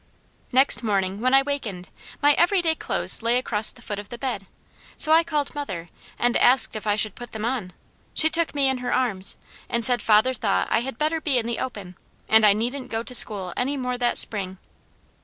Next morning when I wakened, my everyday clothes lay across the foot of the bed, so I called mother and asked if I should put them on; she took me in her arms, and said father thought I had better be in the open, and I needn't go to school any more that spring.